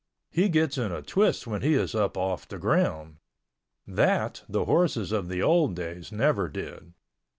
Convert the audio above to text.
He gets in a twist when he is up off the ground. That the horses of the old days never did.